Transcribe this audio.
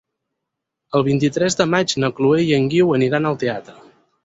El vint-i-tres de maig na Chloé i en Guiu aniran al teatre.